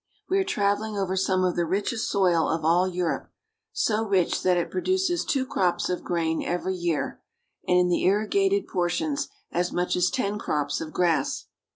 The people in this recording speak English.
We are traveling over some of the richest soil of all Europe, so rich that it produces two crops of grain every year, and, in the irrigated portions, as much as ten crops of grass.